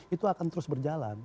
itu akan terus berjalan